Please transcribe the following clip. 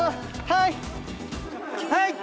はい！